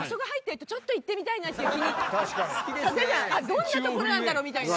どんなところなんだろうみたいな。